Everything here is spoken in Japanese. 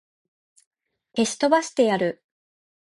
消し飛ばしてやる!